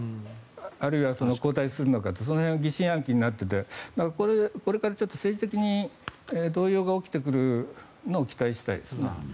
あるいは交代するのかその辺は疑心暗鬼になっていてこれから政治的に動揺が起きてくるのを期待したいです。